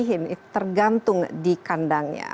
ini tergantung di kandangnya